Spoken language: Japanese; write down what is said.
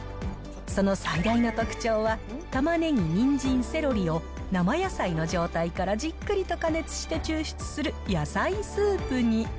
その最大の特徴は、タマネギ、ニンジン、セロリを、生野菜の状態からじっくりと加熱して抽出する野菜スープに。